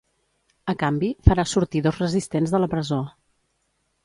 A canvi, farà sortir dos resistents de la presó.